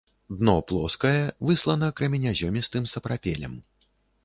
Дно плоскае, выслана крэменязёмістым сапрапелем.